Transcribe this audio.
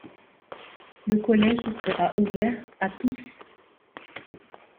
Le collège sera ouvert à tous.